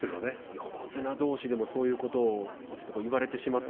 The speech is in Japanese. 横綱どうしでもそういうことを言われてしまった